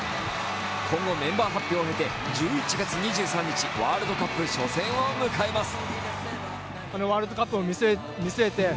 今後、メンバー発表を経て１１月２３日、ワールドカップ初戦を迎えます。